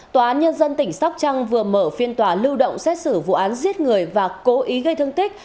tòa án nhân dân tỉnh sóc trăng vừa mở phiên tòa lưu động xét xử vụ án giết người và cố ý gây thương tích